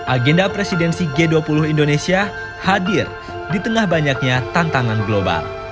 agenda presidensi g dua puluh indonesia hadir di tengah banyaknya tantangan global